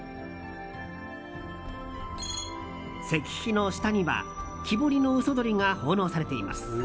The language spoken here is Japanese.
石碑の下には木彫りのうそ鳥が奉納されています。